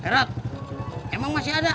rat emang masih ada